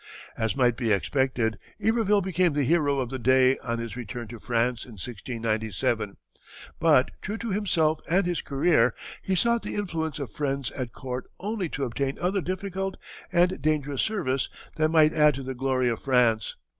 As might be expected, Iberville became the hero of the day on his return to France in 1697; but true to himself and his career, he sought the influence of friends at court only to obtain other difficult and dangerous service that might add to the glory of France.